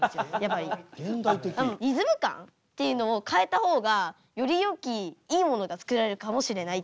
リズム感っていうのを変えた方がよりよきいいものが作られるかもしれないっていう。